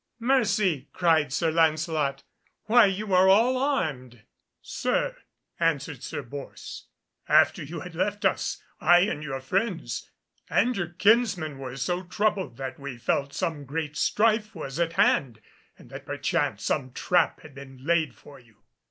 "Mercy!" cried Sir Lancelot, "why you are all armed!" "Sir," answered Sir Bors, "after you had left us, I and your friends and your kinsmen were so troubled that we felt some great strife was at hand, and that perchance some trap had been laid for you.